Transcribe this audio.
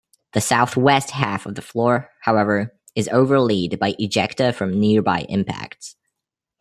The southwest half of the floor, however, is overlaid by ejecta from nearby impacts.